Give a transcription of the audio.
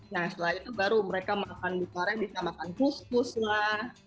nah setelah itu baru mereka makan di korea bisa makan kus kus lah